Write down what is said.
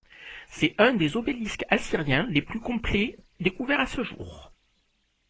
C'est un des obélisques assyriens les plus complets découvert à ce jour.